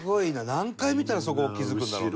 何回見たらそこ気付くんだろうね。